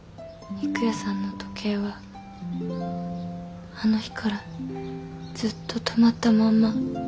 郁弥さんの時計はあの日からずっと止まったまんま。